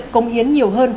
công hiến nhiều hơn